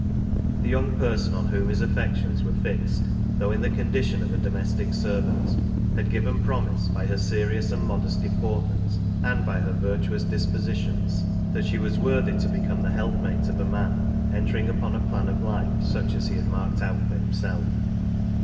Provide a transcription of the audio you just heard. The young person on whom his affections were fixed, though in the condition of a domestic servant, had given promise, by her serious and modest deportment, and by her virtuous dispositions, that she was worthy to become the help mate of a man entering upon a plan of life such as he had marked out for himself.